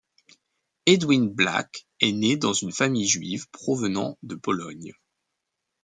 Edwin Black est né dans une famille juive provenant de Pologne.